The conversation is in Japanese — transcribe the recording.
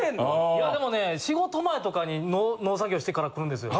いやでもね仕事前とかに農作業してから来るんですよ。